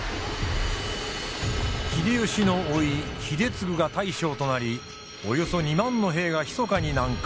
秀吉のおい秀次が大将となりおよそ２万の兵がひそかに南下。